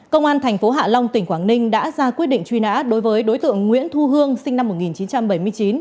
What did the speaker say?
công an tp hạ long tỉnh quảng ninh đã ra quyết định truy nã đối với đối tượng nguyễn thu hương sinh năm một nghìn chín trăm bảy mươi chín